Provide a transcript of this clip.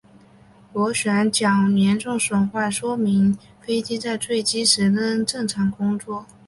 螺旋桨严重损坏说明飞机在坠机时仍正常工作。